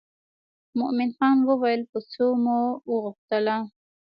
مومن خان وویل په څو مو وغوښتله.